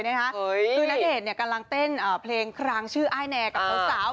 พี่ณเดชน์เนี่ยกำลังเต้นเพลงครางชื่ออ้ายแน่กับผู้สาว